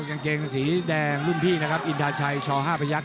จังเกงสีแดงรุ่นพี่อินทาชัยชอ๕ประยักษณ์